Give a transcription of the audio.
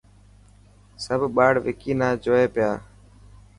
سڀ ٻاڙ وڪي نا جوئي پيا.